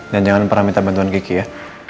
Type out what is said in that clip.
dan jangan pernah minta bantuan kiki ya